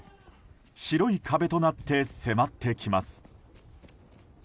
白い壁となって迫ってきます。